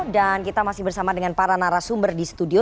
dan kita masih bersama dengan para narasumber di studio